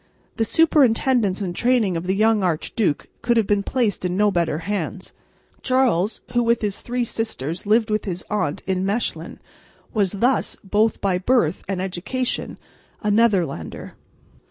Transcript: The superintendence and training of the young archduke could have been placed in no better hands. Charles, who with his three sisters lived with his aunt at Mechlin, was thus both by birth and education a Netherlander.